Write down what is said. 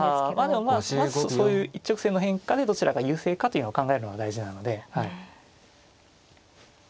でもまあまずそういう一直線の変化でどちらが優勢かというのを考えるのが大事なので。